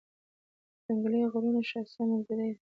د ځنګلي غرونو ښایسته منظرې دي.